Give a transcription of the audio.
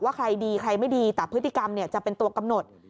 ใครดีใครไม่ดีแต่พฤติกรรมจะเป็นตัวกำหนด